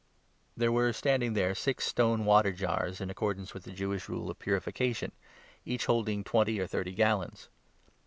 5 There were standing there six stone water jars, in accordance 6 with the Jewish rule of ' purification,' each holding twenty or thirty gallons.